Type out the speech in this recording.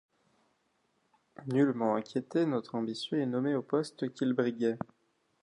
Nullement inquiété, notre ambitieux est nommé au poste qu'il briguait.